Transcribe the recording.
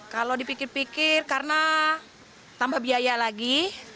kalau dipikir pikir karena tambah biaya lagi